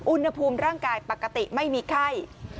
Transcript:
อุณหภูมิร่างกายปกติไม่มีไข้